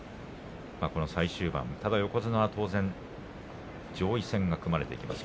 この最終盤ただ横綱は当然上位戦が組まれてきます。